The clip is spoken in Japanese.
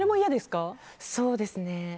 そうですね。